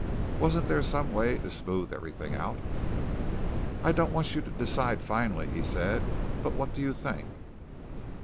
Wasn't there some way to smooth everything out? "I don't want you to decide finally," he said, "but what do you think?"